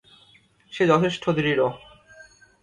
সে যথেষ্ট দৃঢ়।